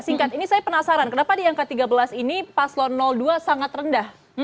singkat ini saya penasaran kenapa di angka tiga belas ini paslon dua sangat rendah